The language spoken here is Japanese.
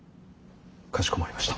かしこまりました。